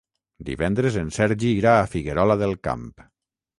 Divendres en Sergi irà a Figuerola del Camp.